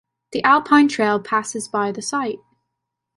The Alpine Trail passes by the site.